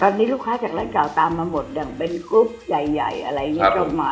ตอนนี้ลูกค้าจากร้านเก่าตามมาหมดอย่างเป็นกรุ๊ปใหญ่อะไรอย่างนี้ก็มา